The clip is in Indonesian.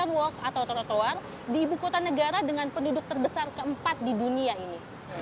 orang orang yang tidak mau berjalan kaki di buku kota negara dengan penduduk terbesar keempat di dunia ini